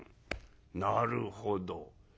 なるほど。